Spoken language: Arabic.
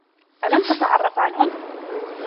ألم تتعرف عنهم؟